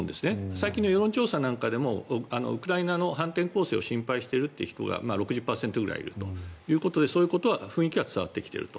最近の世論調査でもウクライナの反転攻勢を心配している人が６０％くらいいるということでそういう雰囲気は伝わってきていると。